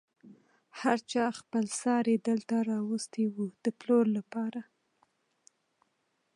هر چا خپل څاری دلته راوستی و د پلور لپاره.